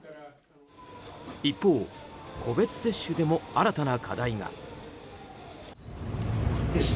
一方、個別接種でも新たな課題が。